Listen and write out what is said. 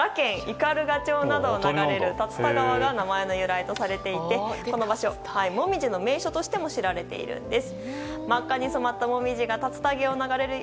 斑鳩町などを流れる竜田川が名前の由来とされていてこの場所はモミジの名所としても知られているんです。